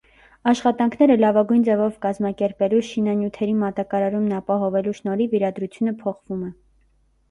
Աշխատանքները լավագույն ձևով կազմակերպելու, շինանյութերի մատակարարումն ապահովելու շնորհիվ իրադրությունը փոխվում է։